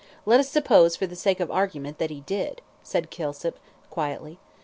"Let us suppose, for the sake of argument, that he did," said Kilsip, quietly.